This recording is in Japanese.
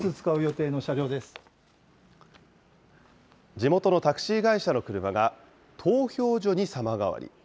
地元のタクシー会社の車が、投票所に様変わり。